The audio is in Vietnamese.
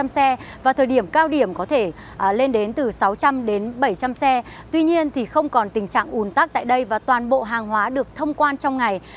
hai trăm linh bốn trăm linh xe và thời điểm cao điểm có thể lên đến từ sáu trăm linh bảy trăm linh xe tuy nhiên thì không còn tình trạng ủn tắc tại đây và toàn bộ hàng hóa được thông quan trong ngày